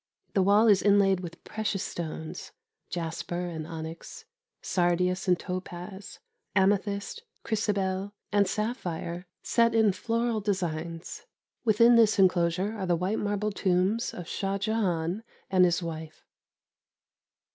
The wall is inlaid with precious stones jasper and onyx, sardius and topaz, amethyst, chrysobel, and sapphire, set in floral designs. Within this enclosure are the white marble tombs of Shah Jahan and his wife.